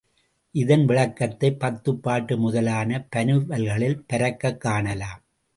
இதன் விளக்கத்தைப் பத்துப் பாட்டு முதலான பனுவல்களில் பரக்கக் காணலாம்.